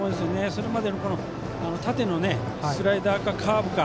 それまでの縦のスライダーかカーブか